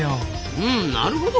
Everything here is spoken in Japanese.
うんなるほど。